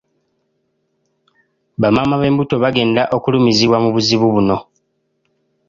Bamaama b'embuto be bagenda okulumizibwa mu buzibu buno.